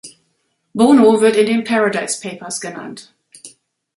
Bono wird in den Paradise Papers genannt.